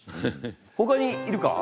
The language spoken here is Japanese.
ほかにいるか？